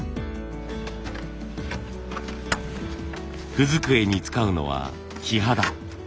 文机に使うのはキハダ。